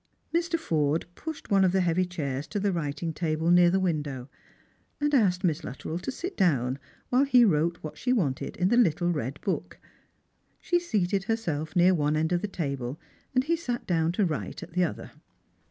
Mr. Forde pushed one of the heavy chairs to the writing table near the window, and asked Miss LuttreU to sit down while he wrote what she wanted in the little red book. She seated her self near one end of the table, and he sat down to write at the other.